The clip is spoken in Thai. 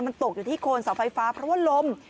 มันตกอยู่ที่โคนเสาไฟฟ้าเพราะว่าลม